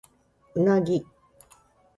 うなぎ